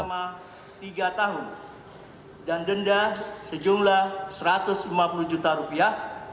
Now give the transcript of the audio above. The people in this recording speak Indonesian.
tiga tahun dan denda sejumlah rp satu ratus lima puluh juta